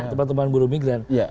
teman teman buru migran